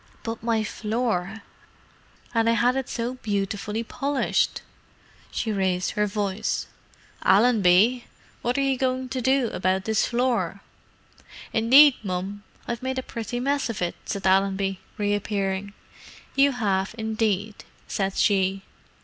"But my floor! And I had it so beautifully polished!" she raised her voice. "Allenby! What are you going to do about this floor?" "Indeed, mum, I've made a pretty mess of it," said Allenby, reappearing. "You have, indeed," said she.